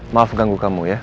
maaf ganggu kamu ya